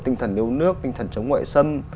tinh thần yêu nước tinh thần chống ngoại sâm